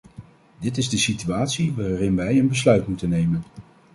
Dit is de situatie waarin wij een besluit moeten nemen.